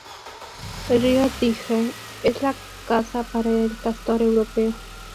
El río Dyje es la casa para el castor europeo.